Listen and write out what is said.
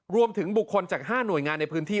รวมถึงบุคคลจาก๕หน่วยงานในพื้นที่